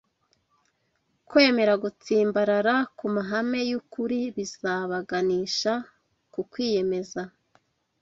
Kwemera gutsimbarara ku mahame y’ukuri bizabaganisha ku kwiyemeza